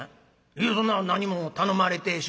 「いえそんな何も頼まれてしまへん」。